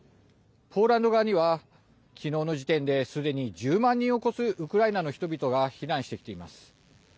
ポーランド側にはきのうの時点ですでに１０万人を超すウクライナの人々が避難してきています。